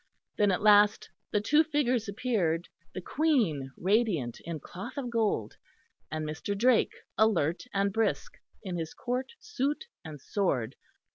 Then at last the two figures appeared, the Queen radiant in cloth of gold, and Mr. Drake, alert and brisk, in his Court suit and sword.